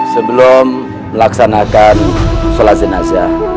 sebelum melaksanakan sholat jenazah